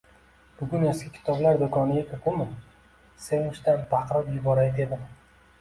Bugun eski kitoblar doʻkoniga kirdim-u, sevinchdan baqirib yuboray dedim